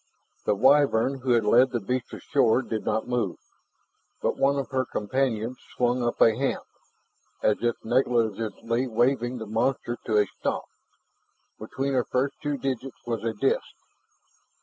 The Wyvern who had led the beast ashore did not move. But one of her companions swung up a hand, as if negligently waving the monster to a stop. Between her first two digits was a disk.